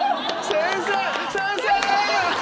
先生！